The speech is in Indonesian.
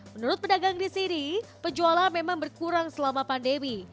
menurut pedagang di sini penjualan memang berkurang selama pandemi